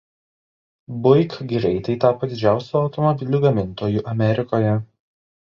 Buick greitai tapo didžiausiu automobilių gamintoju Amerikoje.